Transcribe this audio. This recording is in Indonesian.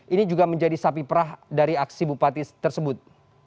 ini juga menjadi sapi perah dari aksi bupati tersebut